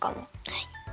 はい。